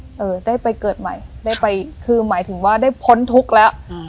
เออได้ไปเกิดใหม่ได้ไปคือหมายถึงว่าได้พ้นทุกข์แล้วอืม